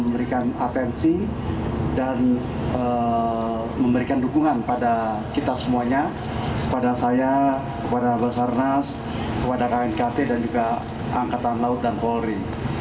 memberikan atensi dan memberikan dukungan pada kita semuanya kepada saya kepada basarnas kepada knkt dan juga angkatan laut dan polri